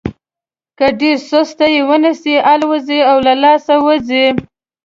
که ډېره سسته یې ونیسئ الوزي او له لاسه وځي.